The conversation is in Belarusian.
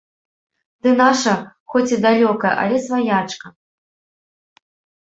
Ты наша, хоць і далёкая, але сваячка.